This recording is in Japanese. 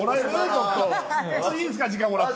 ちょっと、いいですか、時間もらって。